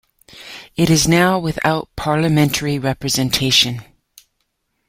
It is now without parliamentary representation.